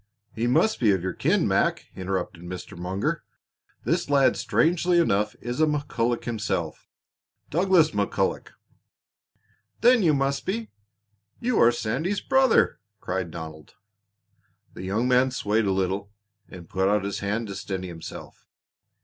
"He must be of your kin, Mac!" interrupted Mr. Munger. "This lad, strangely enough, is a McCulloch himself Douglas McCulloch." "Then you must be you are Sandy's brother!" cried Donald. The young man swayed a little and put out his hand to steady himself.